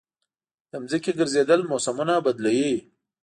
د ځمکې ګرځېدل موسمونه بدلوي.